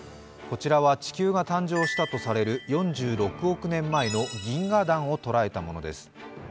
こちらは地球が誕生したとされる４６億年前の銀河団を捉えたものです。